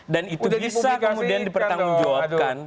dan itu bisa kemudian dipertanggung jawabkan